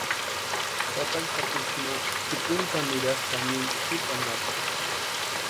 Tataka sapichu ma pʼikuntʼani nirasti xanini tsipa anapu.